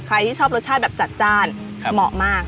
ใครที่ชอบรสชาติแบบจัดจ้านเหมาะมาก